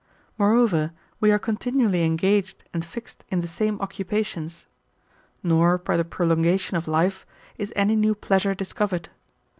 Moreover, we are continually engaged and fixed in the same occupations; nor, by the prolongation of life, is any new pleasure discovered.